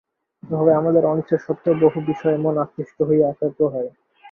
এভাবে আমাদের অনিচ্ছা সত্ত্বেও বহু বিষয়ে মন আকৃষ্ট হইয়া একাগ্র হয়।